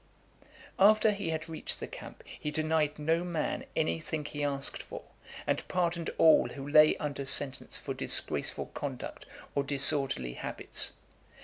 VIII. After he had reached the camp, he denied no man any thing he asked for, and pardoned all who lay under sentence for disgraceful conduct or disorderly habits.